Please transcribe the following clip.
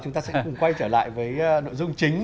chúng ta sẽ quay trở lại với nội dung chính